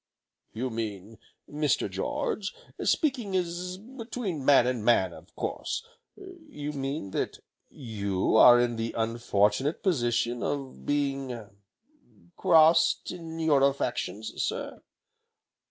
"You mean, Mr. George, speaking as between man and man of course, you mean that you are in the unfortunate position of being crossed in your affections, sir?"